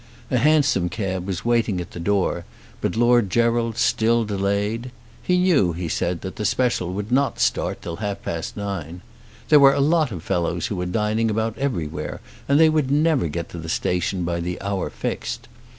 A hansom cab was waiting at the door, but Lord Gerald still delayed. He knew, he said, that the special would not start till half past nine. There were a lot of fellows who were dining about everywhere, and they would never get to the station by the hour fixed.